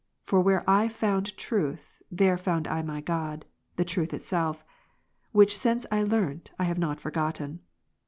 For where I found Truth, there found I my God, the Truth Itself"; which since I learnt, I have not forgotten.